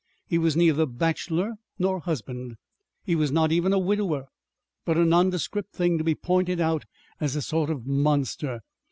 He was neither bachelor nor husband. He was not even a widower, but a nondescript thing to be pointed out as a sort of monster.